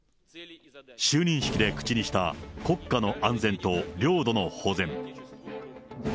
就任式で口にした、国家の安全と領土の保全。